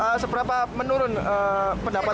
oh seberapa menurun pendapatan